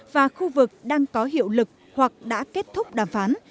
và khu vực đang có hiệu lực hoặc đã kết thúc đàm phán